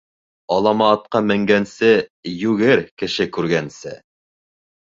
Алама атҡа менгәнсе, йүгер кеше күргәнсе.